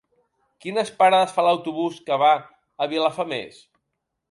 Quines parades fa l'autobús que va a Vilafamés?